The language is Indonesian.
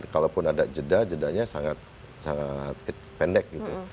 kalau pun ada jeda jedanya sangat pendek gitu